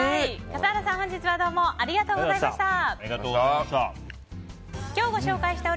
笠原さん、本日はどうもありがとうございました。